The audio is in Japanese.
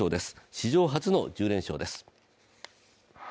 史上初の１０連勝です。